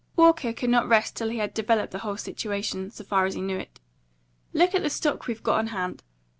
Walker could not rest till he had developed the whole situation, so far as he knew it. "Look at the stock we've got on hand.